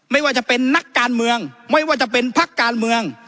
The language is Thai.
ไม่ว่าจะเป็นนักการเมืองไม่ว่าจะเป็นพักการเมือง